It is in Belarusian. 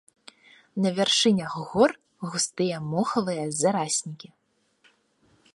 На вяршынях гор густыя мохавыя зараснікі.